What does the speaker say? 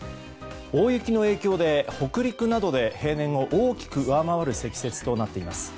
大雪の影響で北陸などで平年を大きく上回る積雪となっています。